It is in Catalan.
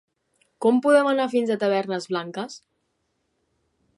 Com podem anar fins a Tavernes Blanques?